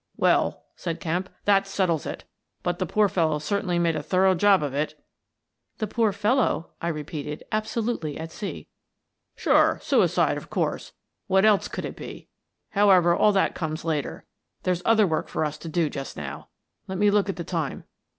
" Well," said Kemp, " that settles it But the poor fellow certainly made a thorough job of it." "The poor fellow?" I repeated, absolutely at sea. " Sure. Suicide, of course. What else could it be? However, all that comes later. There's other work for us to do just now. Let me look at the time.